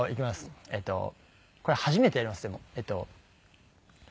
これ初めてやりますでも。